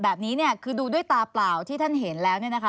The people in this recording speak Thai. แบบนี้คือดูด้วยตาเปล่าที่ท่านเห็นแล้ว